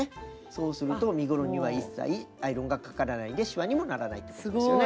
そうすると身ごろには一切アイロンがかからないでしわにもならないってことですよね。